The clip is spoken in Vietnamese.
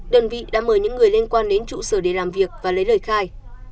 đơn vị đã mời những người liên quan đến trụ sở để làm việc và lấy lời khai